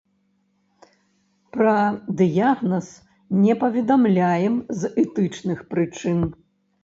Пра дыягназ не паведамляем з этычных прычын.